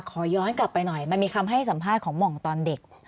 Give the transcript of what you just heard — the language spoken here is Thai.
ขอย้อนกลับไปหน่อยมันมีคำให้สัมภาษณ์ของหม่องตอนเด็ก